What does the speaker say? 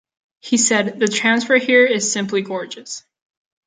He said, the transfer here is simply gorgeous.